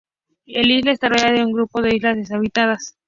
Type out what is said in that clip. La isla está rodeada de un grupo de islas deshabitadas.